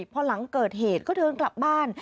พอหลังเกิดเหตุก็เดินกลับบ้าน